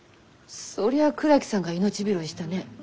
そりゃあ倉木さんが命拾いしたね。